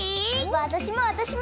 わたしもわたしも！